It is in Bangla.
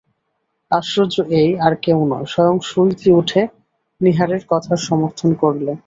আশ্চর্য এই, আর কেউ নয়, স্বয়ং সুরীতি উঠে নীহারের কথার সমর্থন করলে।